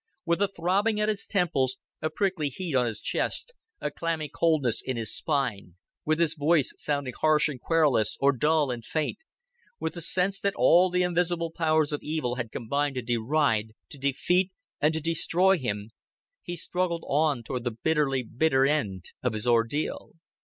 With a throbbing at his temples, a prickly heat on his chest, a clammy coldness in his spine with his voice sounding harsh and querulous, or dull and faint with the sense that all the invisible powers of evil had combined to deride, to defeat, and to destroy him he struggled on toward the bitterly bitter end of his ordeal.